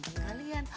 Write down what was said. wajah ganteng kalian